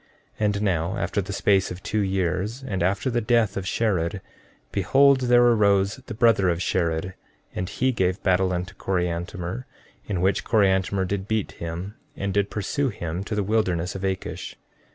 14:3 And now, after the space of two years, and after the death of Shared, behold, there arose the brother of Shared and he gave battle unto Coriantumr, in which Coriantumr did beat him and did pursue him to the wilderness of Akish.